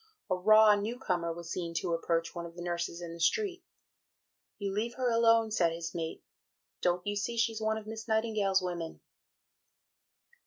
A raw new comer was seen to approach one of the nurses in the street. "You leave her alone," said his mate, "don't you see she's one of Miss Nightingale's women?"